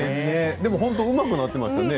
でも、うまくなっていましたね。